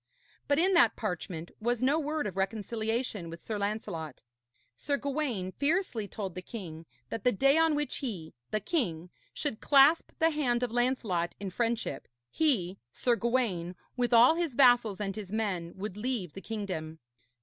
But in that parchment was no word of reconciliation with Sir Lancelot. Sir Gawaine fiercely told the king that the day on which he, the king, should clasp the hand of Lancelot in friendship, he, Sir Gawaine, with all his vassals and his men, would leave the kingdom.